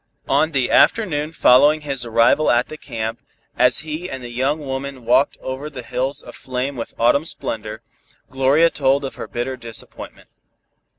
On the afternoon following his arrival at the camp, as he and the young woman walked over the hills aflame with autumnal splendor, Gloria told of her bitter disappointment.